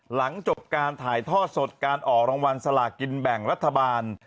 หลังจบการถ่ายทอดสดการออกรางวัลสลากินแบ่งรัฐบาล